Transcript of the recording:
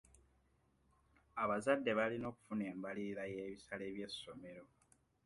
Abazadde balina okufuna embalirira y'ebisale by'essomero.